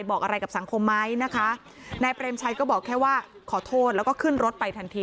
บอกอะไรกับสังคมไหมนะคะนายเปรมชัยก็บอกแค่ว่าขอโทษแล้วก็ขึ้นรถไปทันที